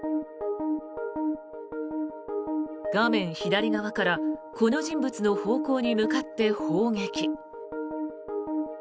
画面左側からこの人物の方向に向かって砲撃。